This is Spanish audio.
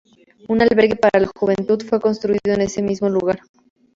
Un albergue para la juventud fue construido en ese mismo lugar.